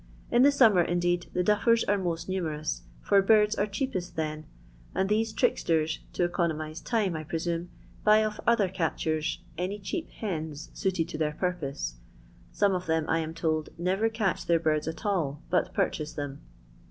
In the summer, indeed, the dufiSws are most numerous, for birds are cheapest then, and these tricksters, to economise time, I presume, buy of other catchers any cheap hens suited to their pur pose. Some of them, I am told, neyer catch their birds at all, but purchase them.